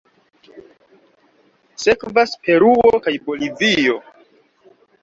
Sekvas Peruo kaj Bolivio.